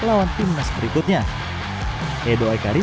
dan diperlukan kemampuan yang terbaik untuk mencapai kemampuan yang terbaik